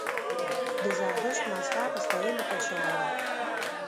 د زردشت مذهب ستایلو ته اشاره ده.